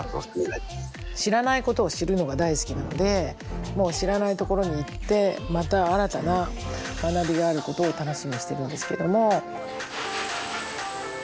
知らないことを知るのが大好きなのでもう知らないところに行ってまた新たな学びがあることを楽しみにしてるんですけども。